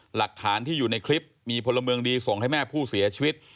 หลักฐานที่อยู่ในคลิปมีพลเมืองดีส่งให้แม่ผู้เสียชีวิต